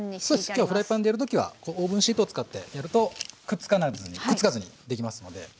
そうです今日はフライパンでやる時はオーブンシートを使ってやるとくっつかずにできますので。